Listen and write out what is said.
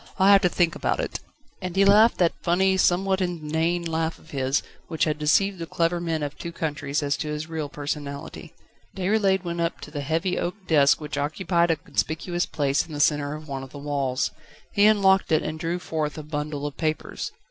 I'll have to think about it!" And he laughed that funny, somewhat inane laugh of his, which had deceived the clever men of two countries as to his real personality. Déroulède went up to the heavy oak desk which occupied a conspicuous place in the centre of one of the walls. He unlocked it and drew forth a bundle of papers.